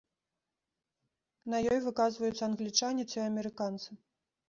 На ёй выказваюцца англічане ці амерыканцы.